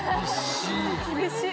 厳しい！